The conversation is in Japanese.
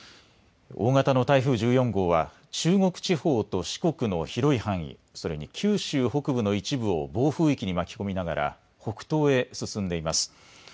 大型の台風１４号は中国地方と四国の広い範囲、それに九州北部の一部を暴風域に巻き込みながら北東へ進んでいます。